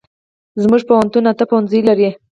زمونږ پوهنتون اته پوهنځي لري